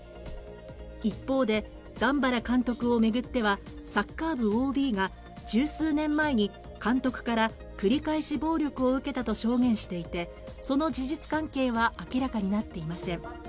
一方で、段原監督を巡ってはサッカー部ＯＢが十数年前に監督から繰り返し暴力を受けたと証言していて、その事実関係は明らかになっていません。